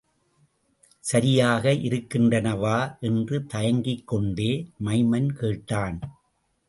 சரியாக இருக்கின்றனவா? என்று தயங்கிக் கொண்டே மைமன் கேட்டான்.